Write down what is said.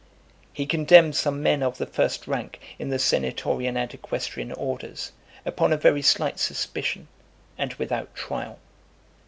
He condemned some men of the first rank in the senatorian and equestrian orders, upon a very slight suspicion, and without trial.